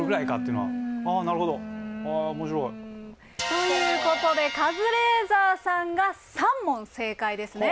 ということでカズレーザーさんが３問正解ですね。